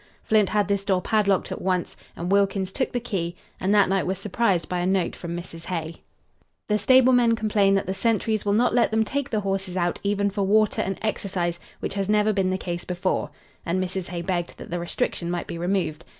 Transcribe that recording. Flint had this door padlocked at once and Wilkins took the key, and that night was surprised by a note from Mrs. Hay. "The stablemen complain that the sentries will not let them take the horses out even for water and exercise, which has never been the case before," and Mrs. Hay begged that the restriction might be removed.